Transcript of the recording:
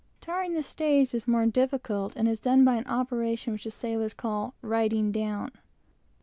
Tarring the stays is more difficult, and is done by an operation which the sailors call "riding down."